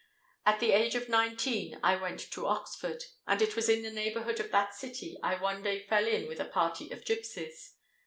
At the age of nineteen I went to Oxford; and it was in the neighbourhood of that city I one day fell in with a party of gipsies.